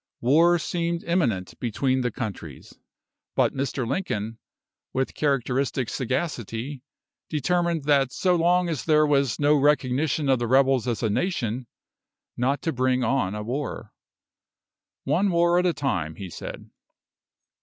War seemed imminent between the countries; but Mr. Lincoln, with characteristic sagacity, determined that so long as there was no recognition of the rebels as a nation, not to bring on a war. "One war at a time," he said.